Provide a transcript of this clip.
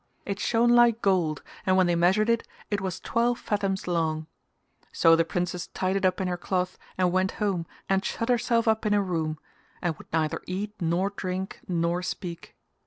It shone like gold and when they measured it, it was twelve fathoms long. So the princess tied it up in her cloth and went home and shut herself up in her room, and would neither eat nor drink nor speak.